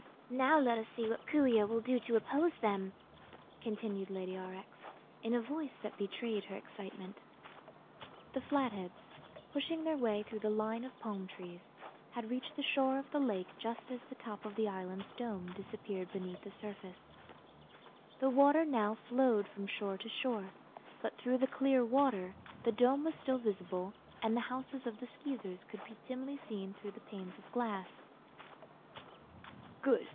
"Now let us see what Coo ee oh will do to oppose them," continued Lady Aurex, in a voice that betrayed her excitement. The Flatheads, pushing their way through the line of palm trees, had reached the shore of the lake just as the top of the island's dome disappeared beneath the surface. The water now flowed from shore to shore, but through the clear water the dome was still visible and the houses of the Skeezers could be dimly seen through the panes of glass. "Good!"